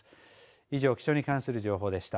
以上気象に関する情報でした。